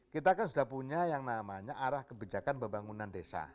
kita kan sudah punya yang namanya arah kebijakan pembangunan desa